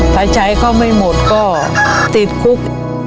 ถ้าใช้เขาไม่หมดก็ติดคุก